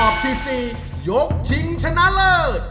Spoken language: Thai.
ที่๔ยกชิงชนะเลิศ